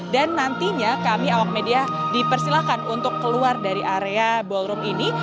dan nantinya kami awak media dipersilakan untuk keluar dari area ballroom ini